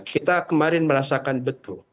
kita kemarin merasakan betul